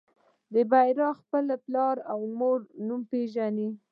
بريا خپل پلار او مور په نوم پېژني.